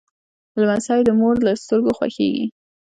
لمسی د مور له سترګو خوښیږي.